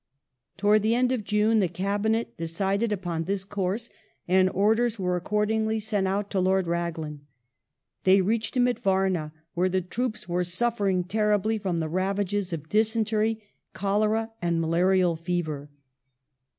Towards the end of June the Cabinet decided upon this coui se/ and orders were accordingly sent out to Lord Raglan. They reached him at Varna, where the troops were suffering terribly from the ravages of dysentery, cholera, and malarial fever.